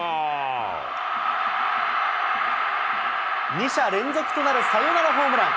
２者連続となるサヨナラホームラン。